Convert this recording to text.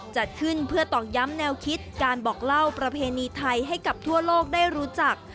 จัดขึ้นเพื่อตอกย้ำแนวคิดการบอกเล่าประเพณีไทยให้กับทั่วโลกได้รู้จัก